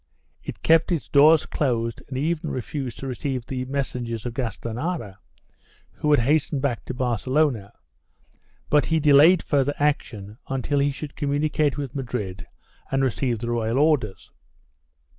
It kept its doors closed and even refused to receive the messengers of Gastanara, who had hastened back to Barcelona, but he delayed further action until he should communicate with Madrid and receive the royal orders.